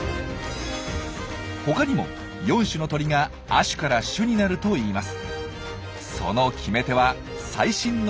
他にも４種の鳥が亜種から種になるといいます。